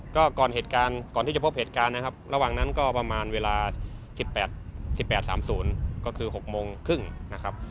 ก็ก่อนเหตุการณ์ก่อนที่จะพบเหตุการณ์นะครับระหว่างนั้นก็ประมาณเวลา๑๘๑๘๓๐ก็คือ๖โมงครึ่งนะครับ